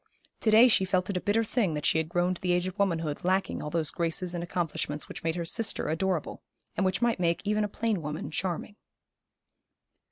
To day she felt it a bitter thing that she had grown to the age of womanhood lacking all those graces and accomplishments which made her sister adorable, and which might make even a plain woman charming.